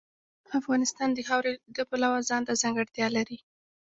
افغانستان د خاوره د پلوه ځانته ځانګړتیا لري.